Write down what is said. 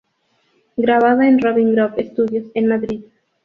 Grabado en Robin Grove Studios en Madrid.